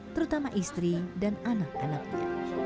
terutama istri dan anak anaknya